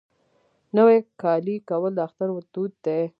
نوی کالی کول د اختر دود دی.